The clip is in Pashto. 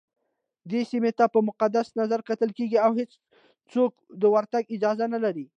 دې سيمي ته په مقدس نظرکتل کېږي اوهيڅوک دورتګ اجازه نه لري